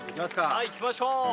はいいきましょう。